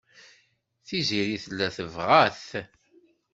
Tiziri tella tebɣa-t.